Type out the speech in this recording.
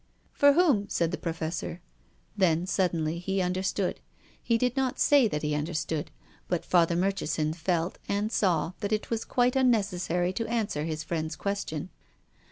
'* For whom ?" said the Professor. Then, suddenly, he understood. He did not say that he understood, but Father Murchison felt, and saw, that it was quite unnecessary to answer his friend's question.